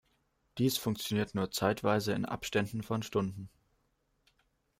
Dies funktioniert nur zeitweise in Abständen von Stunden.